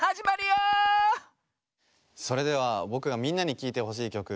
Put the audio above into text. それではぼくがみんなにきいてほしいきょく